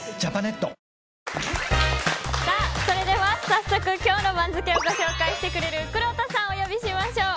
早速、今日の番付をご紹介してくれるくろうとさんをお呼びしましょう。